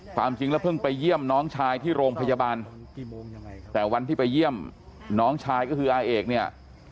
ความจริงแล้วเพิ่งไปเยี่ยมน้องชายที่โรงพยาบาลแต่วันที่ไปเยี่ยมน้องชายก็คืออาเอกเนี่ย